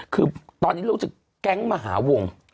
คือตอนนี้รู้สึกแก๊งมหาวง